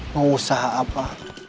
mau usaha apa